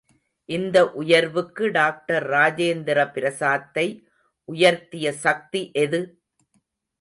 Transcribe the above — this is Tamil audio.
இந்த உயர்வுக்கு டாக்டர் ராஜேந்திர பிரசாத்தை உயர்த்திய சக்தி எது?